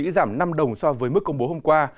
giảm năm đồng so với mức công bố hôm qua